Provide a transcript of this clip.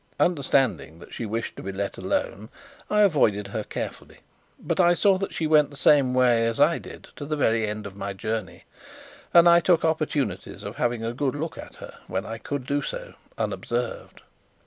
Understanding that she wished to be let alone, I avoided her carefully, but I saw that she went the same way as I did to the very end of my journey, and I took opportunities of having a good look at her, when I could do so unobserved.